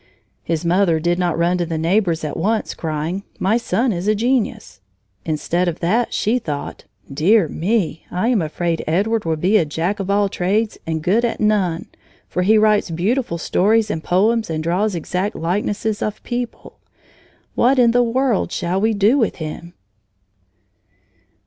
His mother did not run to the neighbors at once, crying "My son is a genius." Instead of that she thought: "Dear me, I am afraid Edward will be a Jack of all trades and good at none, for he writes beautiful stories and poems and draws exact likenesses of people. What in the world shall we do with him?"